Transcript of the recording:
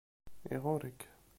Iɣurr-ik.